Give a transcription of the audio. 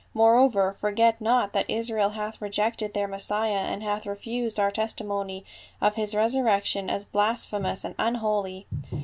Moreover, forget not that Israel hath rejected their Messiah and hath refused our testimony of his resurrection as blasphemous and unholy.